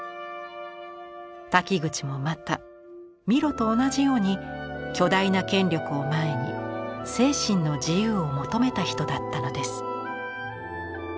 瀧口もまたミロと同じように巨大な権力を前に精神の自由を求めた人だったのです。